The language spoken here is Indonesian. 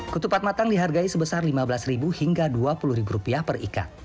ketupat matang dihargai sebesar lima belas ribu hingga dua puluh ribu rupiah perikat